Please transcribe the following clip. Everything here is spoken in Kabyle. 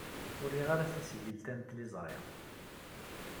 Ur riɣ ara tasgilt-a n tliẓri.